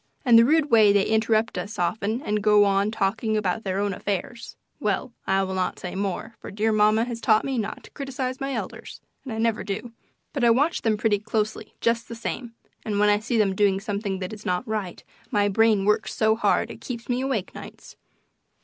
And the rude way they interrupt us often and go on talking about their own affairs well, I will not say more, for dear mamma has taught me not to criticise my elders, and I never do. But I watch them pretty closely, just the same, and when I see them doing something that is not right my brain works so hard it keeps me awake nights.